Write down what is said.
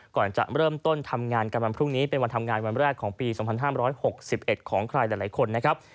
ก่อนจะเริ่มต้นทำงานกันบันพรุ่งนี้เป็นวันทำงานวันแรกของปีสองพันห้ามร้อยหกสิบเอ็ดของใครหลายหลายคนนะครับ